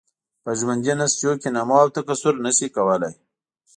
په ژوندیو نسجونو کې نمو او تکثر نشي کولای.